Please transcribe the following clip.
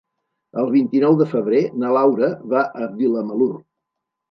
El vint-i-nou de febrer na Laura va a Vilamalur.